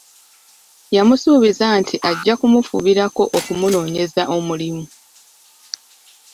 Yamusuubiza nti ajja kumufubirako okumunoonyeza omulimu.